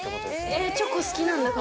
チョコ好きなんだ